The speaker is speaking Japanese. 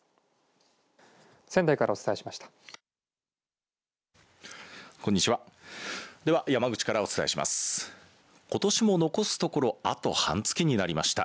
仙台からお伝えしました。